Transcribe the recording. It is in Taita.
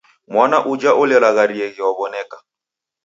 Mwana uja orelagharieghe waw'oneka.